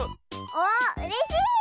おっうれしい！